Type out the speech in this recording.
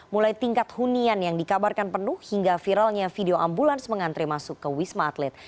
mulai tingkat hunian yang dikabarkan penuh hingga viralnya video ambulans mengantre masuk ke wisma atlet